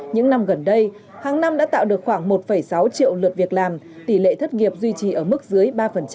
những năm gần đây hàng năm đã tạo được khoảng một sáu triệu lượt việc làm tỷ lệ thất nghiệp duy trì ở mức dưới ba